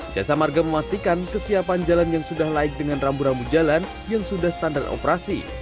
jasa marga memastikan kesiapan jalan yang sudah laik dengan rambu rambu jalan yang sudah standar operasi